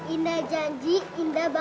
ini juga solehnya ibu